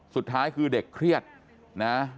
สุดท้ายคือเด็กเครียดนะ